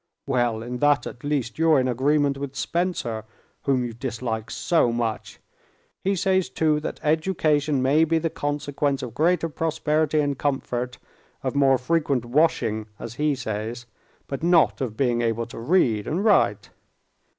"Well, in that, at least, you're in agreement with Spencer, whom you dislike so much. He says, too, that education may be the consequence of greater prosperity and comfort, of more frequent washing, as he says, but not of being able to read and write...."